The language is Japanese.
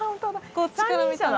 こっちから見たら。